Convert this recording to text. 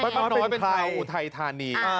ป้าน้อยเป็นคราวอุทัยธานี